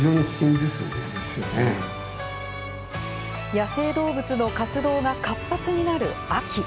野生動物の活動が活発になる秋。